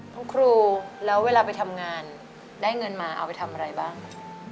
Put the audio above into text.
คุณครูแล้วเวลาไปทำงานได้เงินมาเอาไปทำอะไรบ้าง